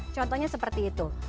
contohnya seperti itu